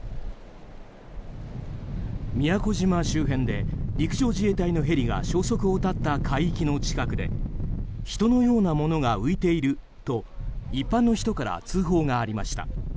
宮古島周辺で陸上自衛隊のヘリが消息を絶った海域の近くで人のようなものが浮いていると一般の人から通報がありました。